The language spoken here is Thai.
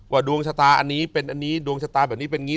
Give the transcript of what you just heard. ดวงชะตาอันนี้เป็นอันนี้ดวงชะตาแบบนี้เป็นอย่างนี้